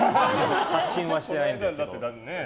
発信はしてないですけど。